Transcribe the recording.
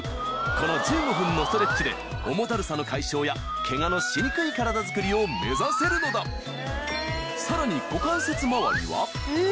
この１５分のストレッチで重だるさの解消やケガのしにくい体づくりを目指せるのださらにえ